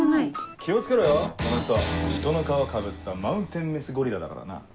気を付けろよその人人の皮かぶったマウンテンメスゴリラだからな。